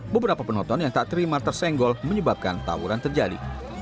beberapa penonton yang tak terima tersenggol menyebabkan tawuran terjadi